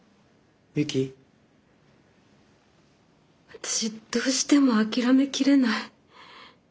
私どうしても諦めきれない。